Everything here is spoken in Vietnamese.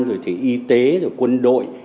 rồi thì y tế rồi quân đội